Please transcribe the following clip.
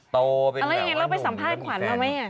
โตเป็นแบบว่าหนูและหมูแฟน